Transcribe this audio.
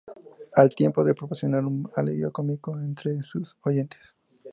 Al tiempo de proporcionar un alivio cómico entre sus oyentes.